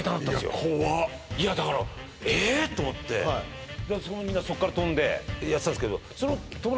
いや怖っいやだからえっと思ってみんなそっから飛んでやってたんですけど